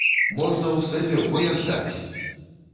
Можна ў стэпе во як даць!